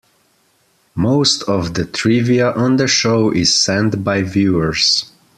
Most of the trivia on the show is sent in by viewers.